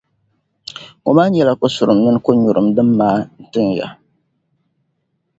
Ŋɔ maa nyɛla kosurum mini konyurim din maai n-tinya.